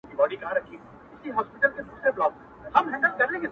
لونگينه څڼوره، مروره،